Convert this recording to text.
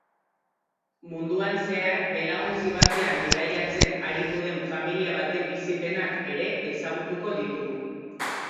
Munduan zehar belaontzi batean bidaiatzen aritu den familia baten bizipenak ere ezagutuko ditugu.